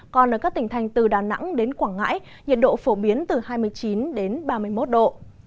còn ở các tỉnh thành từ đà nẵng đến quảng ngãi nhiệt độ phổ biến từ hai mươi chín đến ba mươi một độ